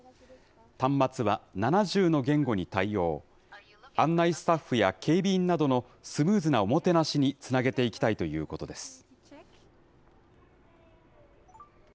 端末は７０の言語に対応、案内スタッフや警備員などのスムーズなおもてなしにつなげていきたいということです。